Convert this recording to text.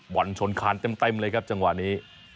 บอลชนคานเต็มเลยครับจังหวะนี้